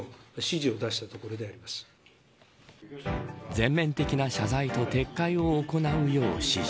全面的な謝罪と撤回を行うよう指示。